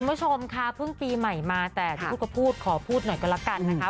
คุณผู้ชมค่ะเพิ่งปีใหม่มาแต่ที่พูดก็พูดขอพูดหน่อยก็แล้วกันนะคะ